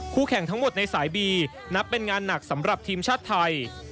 แข่งทั้งหมดในสายบีนับเป็นงานหนักสำหรับทีมชาติไทย